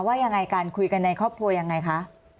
ว่ายังไงกันคุยกันในครอบครัวยังไงคะ